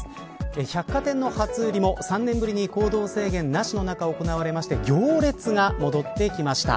百貨店の初売りも３年ぶりに行動制限なしの中行われまして行列が戻ってきました。